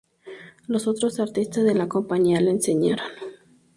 Los otros artistas de la compañía le enseñaron.